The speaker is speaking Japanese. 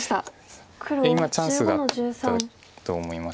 今チャンスだったと思います。